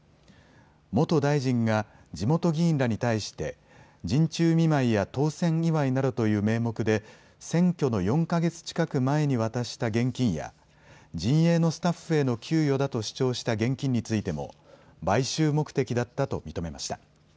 元大臣が地元議員らに対して陣中見舞いや当選祝いなどという名目で選挙の４か月近く前に渡した現金や陣営のスタッフへの給与だと主張した現金についても買収目的だったと認めました。